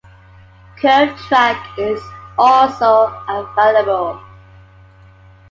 Curved track is also available.